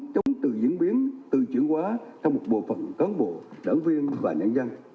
chống từ diễn biến từ chuyển hóa trong một bộ phận cán bộ đảng viên và nhân dân